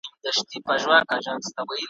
ستا تر پښو دي صدقه سر د هامان وي `